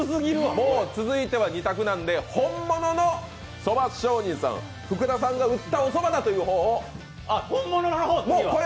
もう続いては２択なんで、本物の蕎上人さん、福田さんが打ったそばというのを。